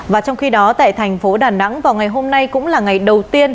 và trong khi đó tại thành phố đà nẵng vào ngày hôm nay cũng là ngày đầu tiên